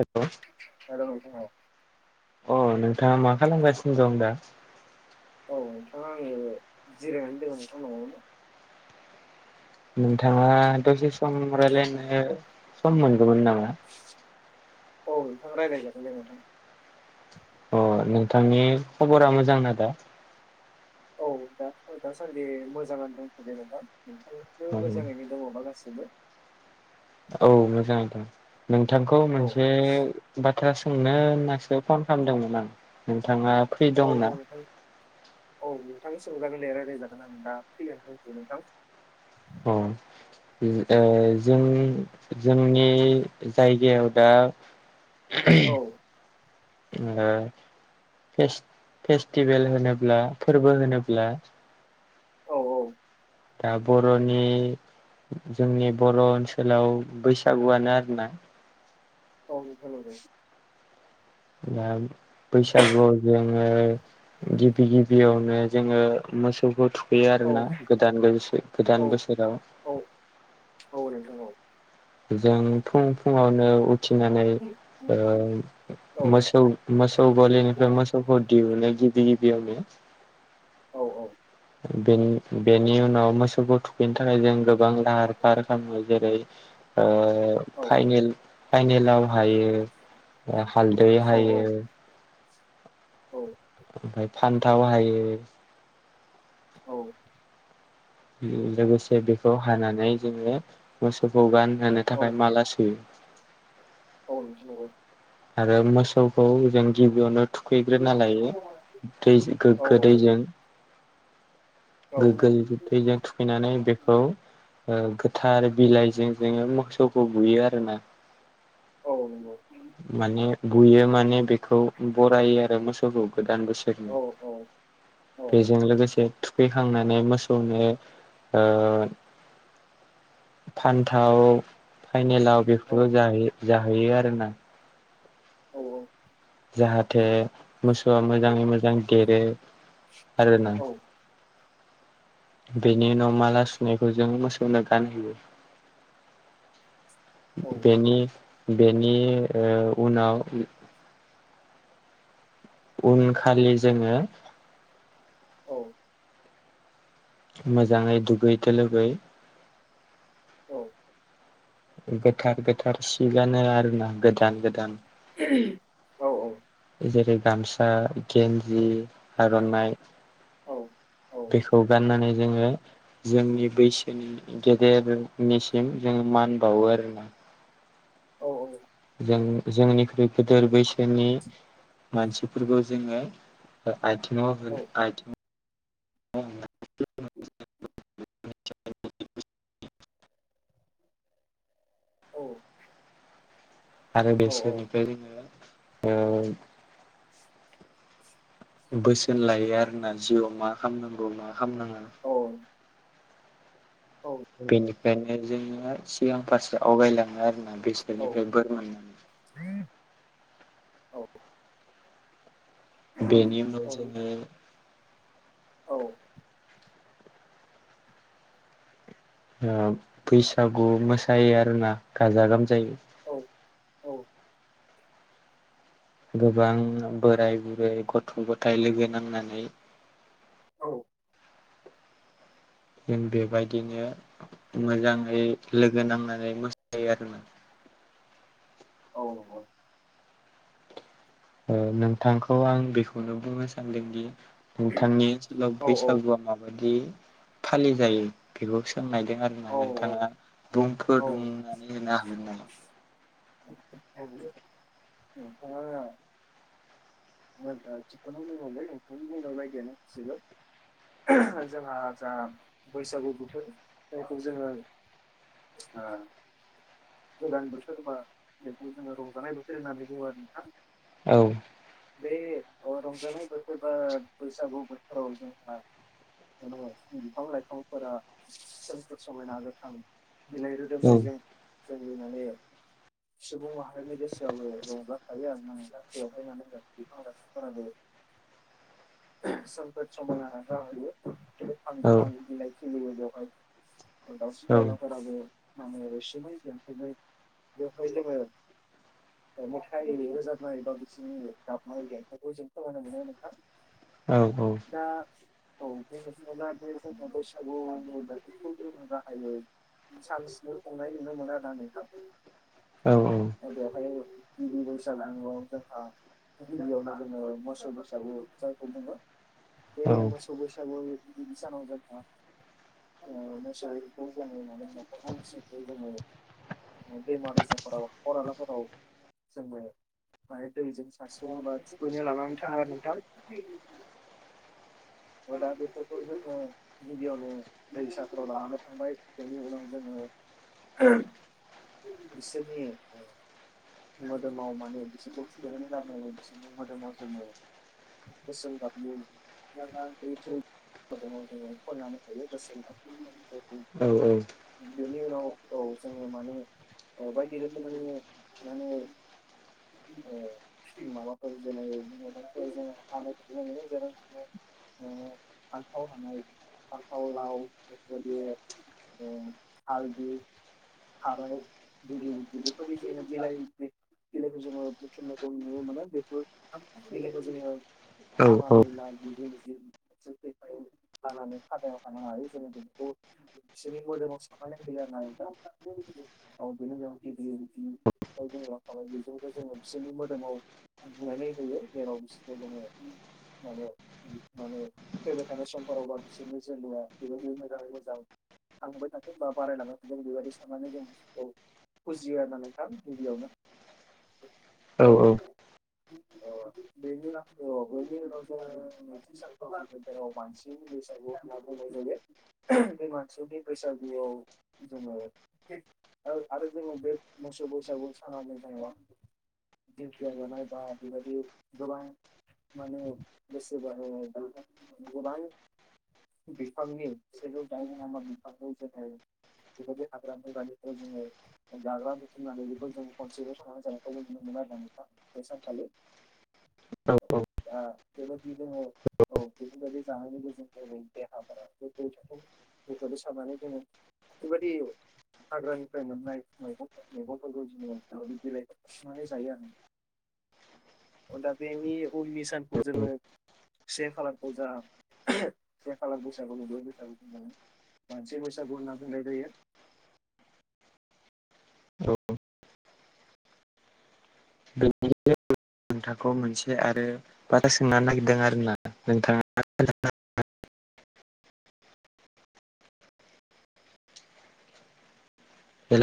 Hello hello नोंथां औ अ नोंथाङा मा खालामगासिनो दं दा औ नोंथाङा आङो जिरायनानै दङ नोंथां न'आवनो। नोंथाङा दसे सम राय्लायनो सम मोनगौमोन नामा? औ नोंथां रायज्लाय जागलायनो नोंथां अ नोंथांनि खबरा मोजां ना दा औ दा दासान्दि मोजाङानो दंथ'यो जेनेबा नोंथां मोजाङैनो दङबा गासिबो औ मोजाङै दं नोंथांखौ औ मोनसे बाथ्रा सोंनो होननासो फन खालामदोंमोन आं नोंथाङा फ्रि औ औ दंना नोंथां औ नोंथां सोंजागोन दे रायज्लायजागोन आं दा फ्रियानो दंसो नोंथां अ ओ जों जोंनि जायगायाव दा औ ओ फेस फेस्टिभेल होनोब्ला फोरबो होनोब्ला औ औ दा बर'नि जोंनि बर' ओनसोलाव बैसागुवानो आरोना औ नोंथां नंगौ। दा बैसागुआव जोङो गिबि गिबियावनो जोङो मोसौखौ थुखैयो आरोना गोदान लोगोसे औ गोदान बोसोराव औ औ नोंथां औ जों फुं फुङावनो उथिनानै औ ओ मोसौ मोसौ गलिनिफ्राय मोसौखौ दिहुनो गिबि गिबियावनो औ औ बेनि बेनि उनाव मोसौखौ थुखैनो थाखाय जों बांला हार फार खालामो जेरै ओ औ फाहनेल फाइनेलाव हायो हालदैै हायो औ ओमफ्राय फान्थाव हायो औ उम लोगोसे बेखौ हानानै जोङो मोसौखौ गानहोनो थाखाय माला सुयो। औ नोंथां नोंगौ आरो मोसौखौ जों गिबियावनो थुखैग्रोना लायो औ दैजो गोग्गो दैजों औ गोग्गो औ दैजों थु खैनानै बेखौ गोथार औ बिलाइजों जोङो मोसौखौ बुयो आरोना औ नंगौ माने बुयो माने बेखौ बरायो आरो मोसौखौ गोदान बोसोर नि औ औ औ बेजों लोगो से थुखैखांनानै मोसौनो ओ फान्थाव फाइनेलाव औ बेफोरखौयो जाहोयो जाहोयो आरोना औ औ जाहाथे मोसौवा मोजाङै मोजां देरो आरोना [inaudible] बेनि उनाव माला सुनायखौ जों मोसौनो गानहोयो। औ बेनि बेनि ओ उनाव उन खालि जोङो औ मोजाङै दुगैथो लोबै औ गोथार गोथार सि गानो आरोना गोदान गोदान औ औ जेरै गामसा गेन्जि आर'नाइ औ बेखौ गाननानै जोङो जोंनि बैसोनि गेदेरनिसिम जोङो मान बावो आरोना औ औ जों जोंनिख्रुइ गेदेर बैसोनि मानसिफोरखौ जोङो ओ आइथिङाव होन आइथिं औ आरो बेसोरनिफ्राय जोङो ओ [inaudible] बोसोन लायो आरोना जिउवाव मा खालामनांगौ मा खालामनाङा औ। बेनिखायनो जोङो सिगां फारसे आवगायलाङो आरोना बेसोरनिफ्राय बोर मोननानै। [unintelligible] बेनि उनाव जोङो औ ओ बैसागु मोसायो आरोना गाजा गोमजायै औ औ गोबां बोराइ बुरै गथ' गथाइ लोगो नांनानै औ। जों बेबायदिनो मोजाङै लोगो नांनानै मोसायो आरोना। औ औ। ओ नोंथांखौ आं बेखौनो बुंनो सानदोंदि नोंथांनि ओनसोलाव बैसागुआ माबायदि फालि जायो बेखौ सोंनायदों आरो। [unintelligible] नोंथाङा बुंफोरनानै [unintelligible] [unintelligible] [unintelligible] [unintelligible] [unintelligible] जोंहा जा बैसागु बोथोर जायखौ जोङो ओ। गोदान बोथोर बा बेखौ जोङो रंजानाय बोथोर होननानै बुङो नोंथां। औ। बे ओ रंजानाय बोथोर बा बैसागु बोथोराव जोंहा [unintelligible] बिफां लाइफांफोरा सोमखोर समायना गोथां बिलाइ औ रोदोमनायजों [unintelligible] सुबुं माहारिनि गोसोआवबो रंजाफायो आरोना नोंथां बेवहाय [unintelligible] बिफां लाइफां फोराबो [inaudible] सोमखोर समायना जाहैयो गोथां औ गोथां बिलाइ खिलियो बेवहाय दावउसिन औ दाउला फोराबो माने रैसुमै [unintelligible] बेवहाय जोङो ओ मेथाइ रोजाबनाय बा बिसिनि गाबनाय देंखोखौ जों खोनानो मोनो नोंथां। औ औ। दा औ [unintelligible] बैसागु [unintelligible] सानसेनो खुंनाय नुनो मोनो आरोना नोंथां। औ औ। बेवहाय [unintelligible] जोंहा बेयावनो जोङो मोसौ बैसागु जायखौ बुङो। बे मोसौ बैसागु [unintelligible] सानाव जोंहा - [unintelligible] दैमा दैसाफोराव हाखर हालाफोराव जों बे माने दैजों [unintelligible] थुखैनो लानानै थाङो नोंथां। ओ दा बेफोरखौ जोङो [unintelligible] दैसाफोराव लानानै थांनाय बेनि उनाव जोङो [unintelligible] बिसोरनि ओ मोदोमाव माने बिसोरखौ थुखैनानै लाबोनानै बिसोरनि मोदोमाव जोङो गोसोम गाबनि [unintelligible] औ औ। सिनि उनाव औ जोङो माने ओ बायदि रोखोमै माने ओ माबाफोर जोनाय [unintelligible] ओ फालथाव हानाय फालथाव लाव बेफोरबायदि आरोखि ओ हालदि थाराइ [unintelligible] बिलाइखौ जोङो बुथुमनायखौ नुनो मोनो बेफोर [unintelligible] बिलायखौ जोङो हानानै ला [unintelligible] [inaudible] [unintelligible] हानानै खादायाव हाना लायो जों बिदिखौ [unintelligible] द जों [unintelligible] बेजोंबो जोङो बिसोरनि मोदोमाव बुंनानै होयो जेराव बिसोरखौ दङो माने। माने फैबाय थानाय समफोराव बांसिन जोंनिया बेबायदि मोजाङै मोजां। थांबाय थाथों बा बारायलांबाय थाथों बेबायदि साननानै दं, औ। फुजियो आरोना नोंथां गिबियावनो [inaudible] औ औ बेनि औ बेनि उनाव जोङो [unintelligible] बांसिन बैसागु होनना बुंनाय जायो। बे मानसिनि बैसागुआव जोङो आरो जोङो बे मोसौ बैसागु सानानाय जानाया दिंखिया जानाय बा बेबायदि गोबां माने बसे बा गोबां। बिफांनि [unintelligible] बेबायदि हाग्रा बंग्रानिफ्राय [unintelligible] [unintelligible] बे सानखालि [inaudible] औ औ दा बेबायदिनो औ बेफोरबायदि जानायनि गेजेरजों देहा फोरा [unintelligible] बेबायदि साननानै जोङो बेबायदि हाग्रानिफ्राय मोननाय मैगंफोरखौ जोंङो बिलाइ सुनानै जायो। अ दा बेनि उननि सानखौ औ जोङो से खालारखौ जा से खालार बैसागु मोसौनि बैसागु मानसि बैसागु होनना फैनाय जायो। औ बेनि नोंथांखौ मोनसे आरो बाथ्रा सोंनो नागिरदों आरोना नोंथाङा। हेल'